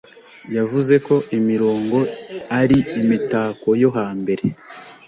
Yavuze ko imigongo ari imitako yo hambere